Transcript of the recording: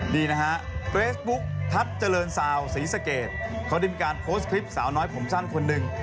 นี่นะฮะเฟซบุ๊กทัศน์เจริญสาวศรีสะเกดเขาได้มีการโพสต์คลิปสาวน้อยผมสั้นคนหนึ่ง